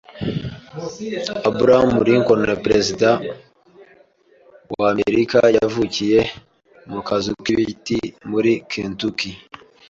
Abraham Lincoln, perezida wa w’Amerika, yavukiye mu kazu k’ibiti muri Kentucky